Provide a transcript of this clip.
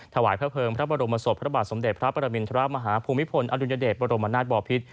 ถวายพระเภิงพระบรมศพพระบาทสมเด็จพระปรมินทรมาฮภูมิพลอดุลยเดชบรมนาศบอพิษ